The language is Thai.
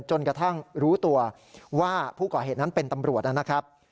จนกระทั่งรู้ตัวว่าผู้ก่อเหตุนั้นเป็นตำรวจนะครับ